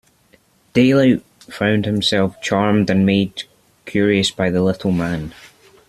Daylight found himself charmed and made curious by the little man.